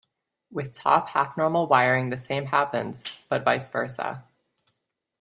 With top half-normal wiring, the same happens but vice versa.